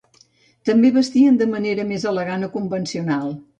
També vestien de manera més elegant o convencional.